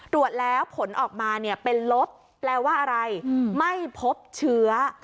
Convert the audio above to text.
ตรวจแล้วผลออกมาเนี่ยเป็นลบแปลว่าอะไรไม่พบเชื้อ